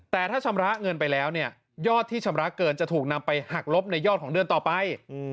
แต่ถ้าชำระเงินไปแล้วเนี่ยยอดที่ชำระเกินจะถูกนำไปหักลบในยอดของเดือนต่อไป